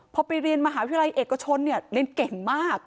พอไปเรียนมหาวิทยาลัยเอกชนเนี่ยเรียนเก่งมาก